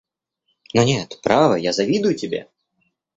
Но нет, право, я завидую тебе.